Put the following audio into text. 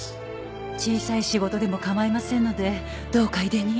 小さい仕事でも構いませんのでどうか井手に